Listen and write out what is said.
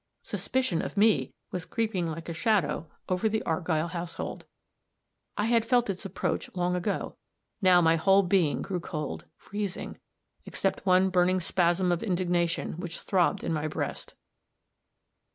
Suspicion of me was creeping like a shadow over the Argyll household. I had felt its approach long ago; now my whole being grew cold, freezing, except one burning spasm of indignation which throbbed in my breast.